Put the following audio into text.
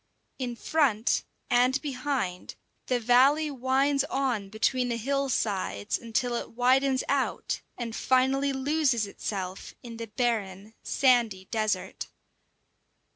In front and behind, the valley winds on between the hill sides until it widens out and finally loses itself in the barren, sandy desert.